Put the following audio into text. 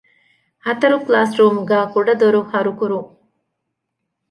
ހަތަރު ކްލާސްރޫމްގައި ކުޑަދޮރު ހަރުކުރުން